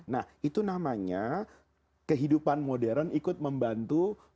nah itu namanya kehidupan modern ikut membantu mengganti peran air